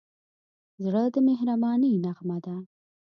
زړه د مهربانۍ نغمه ده.